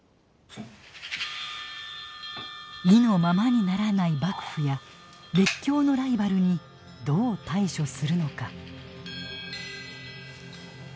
意のままにならない幕府や列強のライバルにどう対処するのか。